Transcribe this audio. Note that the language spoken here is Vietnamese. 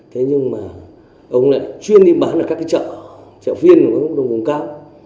thế nhưng mà ông này chuyên đi bán ở các cái chợ chợ phiên chợ vùng cao